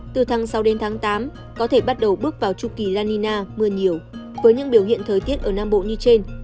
từ tháng sáu đến tháng tám có thể bắt đầu bước vào chu kỳ la nina mưa nhiều với những biểu hiện thời tiết ở nam bộ như trên